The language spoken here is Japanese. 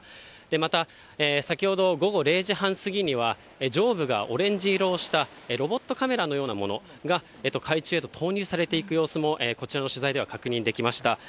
また、先ほど午後０時半過ぎには、上部がオレンジ色をしたロボットカメラのようなものが海中へと投入されていく様子も、こちらの取材では確認できました。